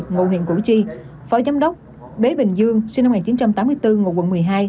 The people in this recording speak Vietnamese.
ngụ huyện củ chi phó giám đốc bế bình dương sinh năm một nghìn chín trăm tám mươi bốn ngụ quận một mươi hai